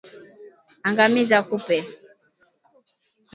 Angamiza kupe